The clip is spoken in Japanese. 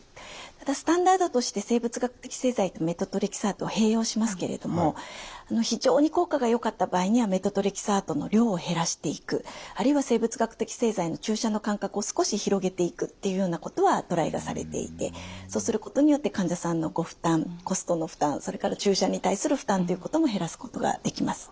ただスタンダードとして生物学的製剤とメトトレキサートは併用しますけれども非常に効果がよかった場合にはメトトレキサートの量を減らしていくあるいは生物学的製剤の注射の間隔を少し広げていくっていうようなことはトライがされていてそうすることによって患者さんのご負担コストの負担それから注射に対する負担ということも減らすことができます。